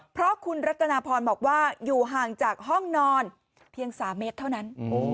เพราะคุณรัตนาพรบอกว่าอยู่ห่างจากห้องนอนเพียง๓เมตรเท่านั้น